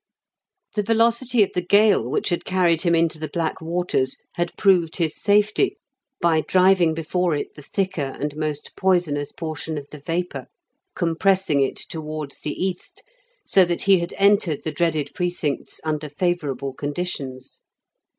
The velocity of the gale which had carried him into the black waters had proved his safety, by driving before it the thicker and most poisonous portion of the vapour, compressing it towards the east, so that he had entered the dreaded precincts under favourable conditions.